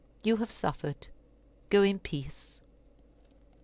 you have suffered! Go in peace."